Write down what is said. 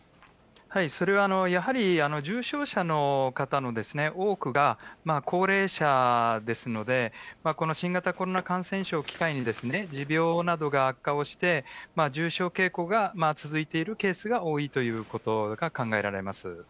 それはやはり、重症者の方の多くが高齢者ですので、この新型コロナ感染症を機会に、持病などが悪化をして、重症傾向が続いているケースが多いということが考えられます。